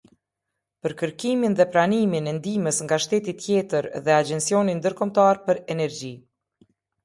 Për kërkimin dhe pranimin e ndihmës nga shteti tjetër dhe Agjencioni Ndërkombëtar për Energji.